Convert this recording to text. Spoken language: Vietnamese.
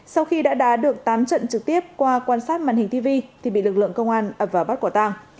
sau khi đã đá được tám trận trực tiếp qua quan sát màn hình tv thì bị lực lượng công an ập vào bắt quả tang